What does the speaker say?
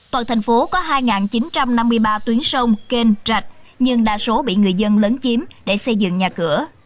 toàn thành phố có hai chín trăm năm mươi ba tuyến sông kênh rạch nhưng đa số bị người dân lớn chiếm để xây dựng nhà cửa